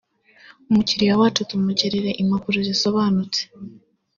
umukiriya wacu tumokerere impapuro zisobanutse